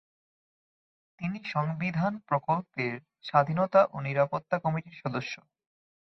তিনি সংবিধান প্রকল্পের স্বাধীনতা ও নিরাপত্তা কমিটির সদস্য।